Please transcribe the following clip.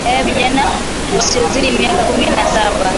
ee vijana wasiozidi miaka kumi na saba